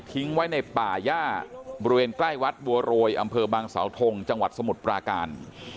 ทิ้งไว้ในป่าย่าบริเวณใกล้วัดบัวโรยอำเภอบางสาวทงจังหวัดสมุทรปราการ